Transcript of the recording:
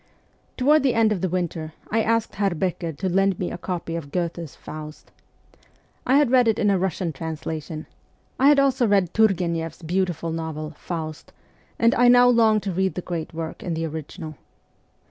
Toward the end of the winter I asked Herr Becker to lend me a copy of Goethe's 'Faust.' I had read it in a Eussian translation ; I had also read Turgueneff's beautiful novel, ' Faust '; and I now longed to read the great work in the original.